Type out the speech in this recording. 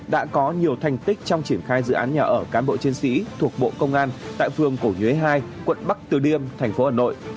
đã có nhiều thành tích trong triển khai dự án nhà ở cán bộ chiến sĩ thuộc bộ công an tại phường cổ nhuế hai quận bắc từ liêm thành phố hà nội